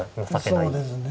そうですね。